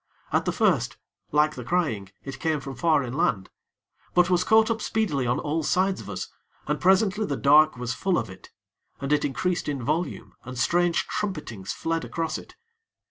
At the first, like the crying, it came from far inland; but was caught up speedily on all sides of us, and presently the dark was full of it. And it increased in volume, and strange trumpetings fled across it.